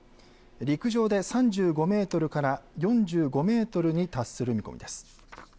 陸上で３５メートルから４５メートルに達する見込みです。